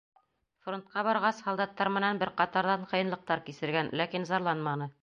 Фронтҡа барғас, һалдаттар менән бер ҡатарҙан ҡыйынлыҡтар кисергән, ләкин зарланманы.